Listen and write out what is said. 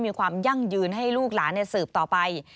ยั่งยืนให้ลูกหลานสืบต่อไป